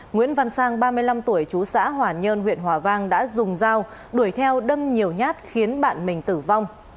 nguyễn văn sang ba mươi năm tuổi chú xã hòa nhơn huyện hòa vang đã dùng dao đuổi theo đâm nhiều nhát khiến bạn mình tử vong